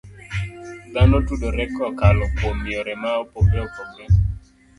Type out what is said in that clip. Dhano tudore kokalo kuom yore ma opogore opogore.